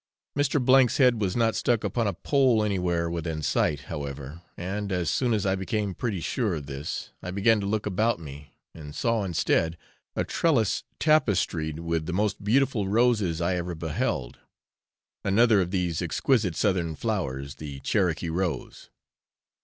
Mr. W 's head was not stuck upon a pole anywhere within sight, however, and as soon as I became pretty sure of this, I began to look about me, and saw instead a trellis tapestried with the most beautiful roses I ever beheld, another of these exquisite southern flowers the Cherokee rose.